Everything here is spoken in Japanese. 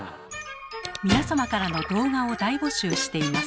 皆様からの動画を大募集しています。